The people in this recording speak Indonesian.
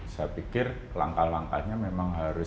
saya pikir langkah langkahnya memang harus